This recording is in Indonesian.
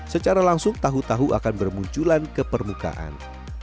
secara langsung tahu tahu akan bermunculan ke permukaan